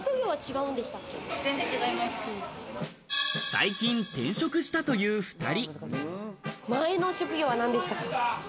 最近転職したという２人。